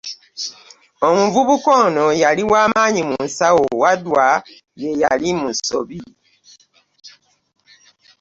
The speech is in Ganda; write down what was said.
Omuvubuka ono yali wa maanyi mu nsawowaddw y'eyali mu nsobi